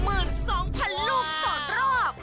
๒๐๐๐ลูกต่อรอบ